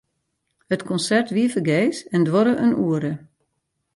It konsert wie fergees en duorre in oere.